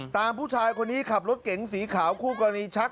ตามผู้ชายคนนี้ขับรถเก๋งสีขาวคู่กรณีชัก